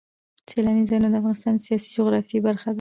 سیلانی ځایونه د افغانستان د سیاسي جغرافیه برخه ده.